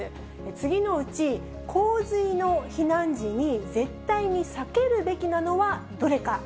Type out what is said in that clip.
次のうち、洪水の避難時に、絶対に避けるべきなのはどれか。